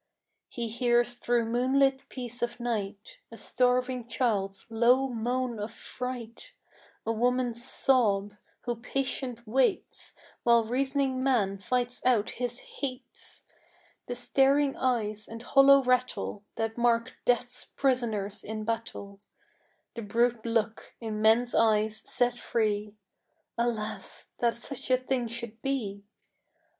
He hears thru moonlit peace of night A starving child's low moan of fright, A woman's sob, who patient waits, While reas'ning man fights out his hates; The staring eyes and hollow rattle That mark Death's prisoners in battle; The brute look in men's eyes set free— Alas, that such a thing should be!